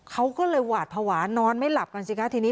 เขาก็เลยหวาดภาวะนอนไม่หลับกันสิคะทีนี้